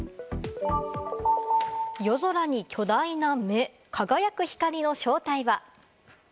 夜空に巨大な目、輝く光の正体は？